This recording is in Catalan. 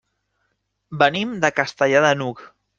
Venim de Castellar de n'Hug.